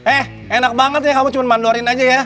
eh enak banget ya kamu cuma mandorin aja ya